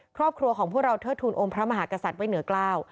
ครอบครัวของพวกเราเทิดทูลองค์พระมหากษัตริย์ไว้เหนือกล้าว